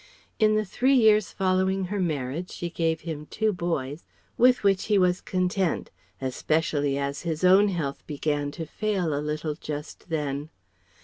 In the three years following her marriage she gave him two boys, with which he was content, especially as his own health began to fail a little just then.